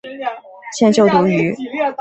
现就读于。